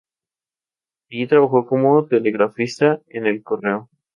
Allí trabajó como telegrafista en el correo.